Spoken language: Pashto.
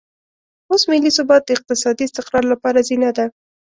اوس ملي ثبات د اقتصادي استقرار لپاره زینه ده.